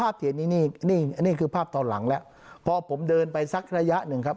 แต่ว่าภาพอีกนิดนี้นี่นี่คือภาพตอนหลังแล้วพอผมเดินไปซักระยะหนึ่งครับ